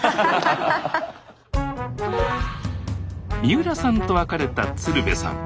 三浦さんと別れた鶴瓶さん。